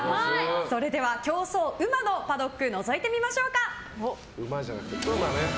それでは競争うまのパドックのぞいてみましょうか。